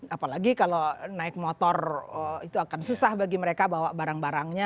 apalagi kalau naik motor itu akan susah bagi mereka bawa barang barangnya